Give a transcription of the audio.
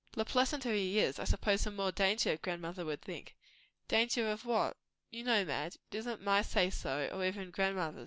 "The pleasanter he is, I suppose the more danger, grandmother would think." "Danger of what?" "You know, Madge, it is not my say so, nor even grandmother's.